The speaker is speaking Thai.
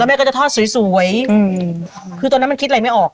แม่ก็จะทอดสวยคือตอนนั้นมันคิดอะไรไม่ออก